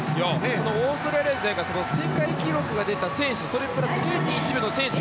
そのオーストラリア勢が世界記録が出た選手それプラス０．１秒の選手